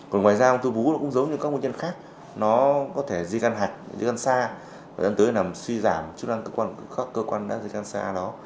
còn ngoài ra ông thư vú nó cũng giống như các bệnh nhân khác nó có thể di căn hạch di căn xa bệnh nhân tới nằm suy giảm chứ không có các cơ quan di căn xa đó